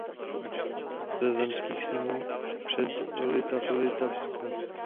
Byl jedním ze zemských sněmů Předlitavska.